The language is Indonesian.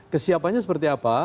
kesiapannya seperti apa